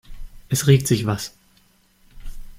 Es regt sich was.